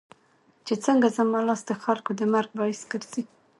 چې څنګه زما لاس دخلکو د مرګ باعث ګرځي